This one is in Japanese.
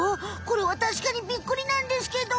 これはたしかにびっくりなんですけど。